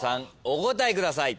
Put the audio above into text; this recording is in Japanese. お答えください。